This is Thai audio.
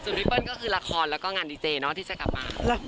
ส่วนพี่เปิ้ลก็คือละครแล้วก็งานดีเจเนาะที่จะกลับมา